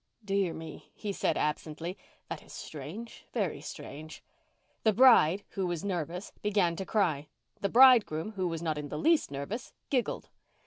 "Dear me," he said absently, "that is strange—very strange." The bride, who was very nervous, began to cry. The bridegroom, who was not in the least nervous, giggled.